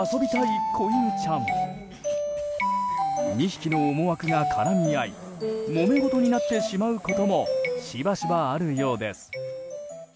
２匹の思惑が絡み合いもめ事になってしまうこともしばしばあるようです。